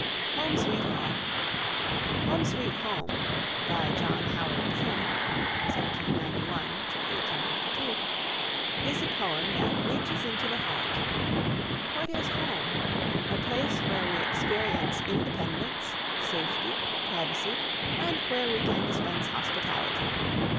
HOME, SWEET HOME! "Home, Sweet Home" (John Howard Payne, 1791 1852) is a poem that reaches into the heart. What is home? A place where we experience independence, safety, privacy, and where we can dispense hospitality.